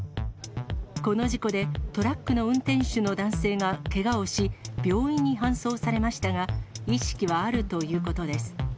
この事故で、トラックの運転手の男性がけがをし、病院に搬送されましたが、意識はあるということです。